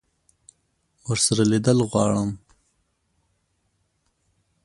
ورسره لیدل غواړم.